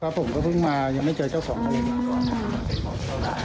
ครับผมก็เพิ่งมายังไม่เจอเจ้าของเลย